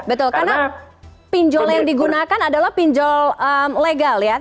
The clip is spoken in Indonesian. betul karena pinjol yang digunakan adalah pinjol legal ya